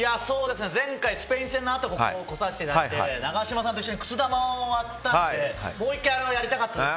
前回、スペイン戦のあとここに来させていただいて永島さんと一緒にくす玉を割ったんでもう１回あれをやりたかったです。